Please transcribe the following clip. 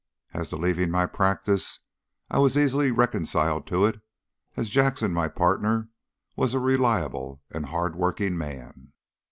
As to leaving my practice, I was easily reconciled to it, as Jackson, my partner, was a reliable and hard working man.